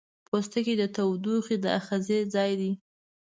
پوستکی د تودوخې د آخذې ځای دی.